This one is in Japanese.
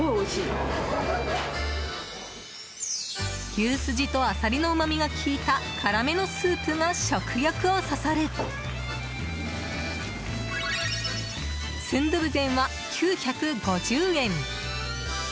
牛すじとアサリのうまみが効いた辛めのスープが食欲をそそる純豆腐膳は９５０円。